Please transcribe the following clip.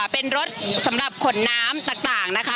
เป็นรถสำหรับขนน้ำต่างนะคะ